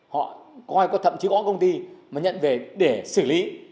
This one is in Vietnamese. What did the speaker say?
họ coi có thậm chí có công ty mà nhận về để xử lý